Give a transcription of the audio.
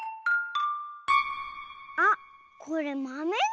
あっこれまめだ！